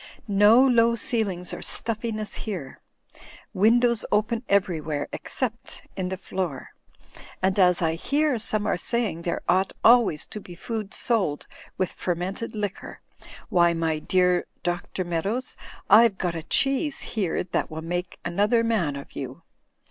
No low ceilings or stuffiness here. Windows open everywhere, except in the floor. And as I hear some are saying there ought always to be food sold with fermented liquor, why, my dear Dr. Meadows, IVe got a cheese here that will msJce another man of you.